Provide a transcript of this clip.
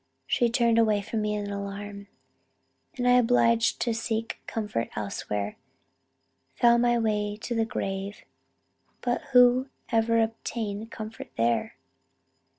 She turned away from me in alarm, and I, obliged to seek comfort elsewhere, found my way to the grave, but who ever obtained comfort there?